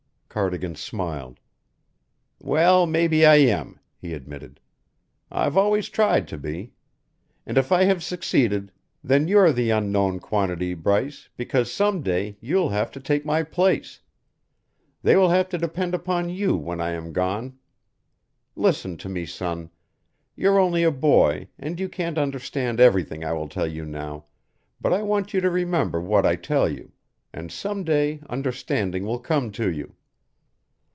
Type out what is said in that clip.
Cardigan smiled. "Well, maybe I am," he admitted. "I've always tried to be. And if I have succeeded, then you're the unknown quantity, Bryce, because some day you'll have to take my place; they will have to depend upon you when I am gone. Listen to me, son. You're only a boy, and you can't understand everything I tell you now, but I want you to remember what I tell you, and some day understanding will come to you.